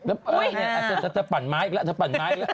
อุ๊ยจะปั่นไม้อีกแล้วจะปั่นไม้อีกแล้ว